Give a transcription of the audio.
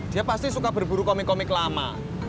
dia pasti suka berburu komik komik lama